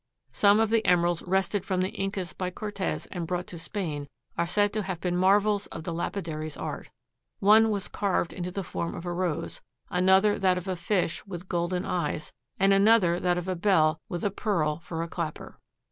Some of the emeralds wrested from the Incas by Cortez and brought to Spain are said to have been marvels of the lapidary's art. One was carved into the form of a rose, another that of a fish with golden eyes, and another that of a bell with a pearl for a clapper.